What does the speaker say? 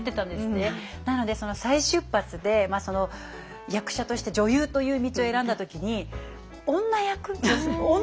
なのでその再出発で役者として女優という道を選んだ時に女役？